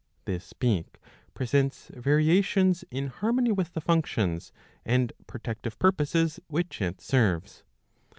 This beak presents variations in harmony with the functions and protective purposes which it serves.